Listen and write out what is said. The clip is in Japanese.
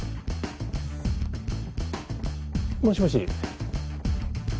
もしもし。